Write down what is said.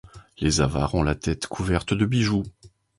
Les avares ont la tête couverte de bijoux.